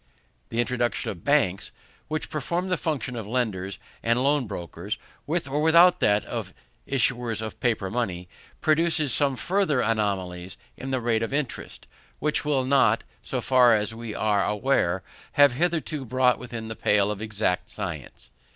The introduction of banks, which perform the function of lenders and loan brokers, with or without that of issuers of paper money, produces some further anomalies in the rate of interest, which have not, so far as we are aware, been hitherto brought within the pale of exact science.